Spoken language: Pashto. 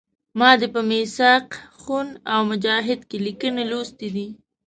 ما دې په میثاق خون او مجاهد کې لیکنې لوستي دي.